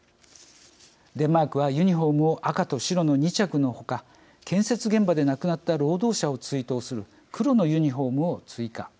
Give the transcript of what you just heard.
デンマークはユニフォームを赤と白の２着の他建設現場で亡くなった労働者を追悼するために黒のユニフォームを追加。